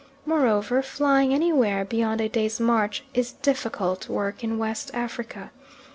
Moreover, flying anywhere beyond a day's march, is difficult work in West Africa.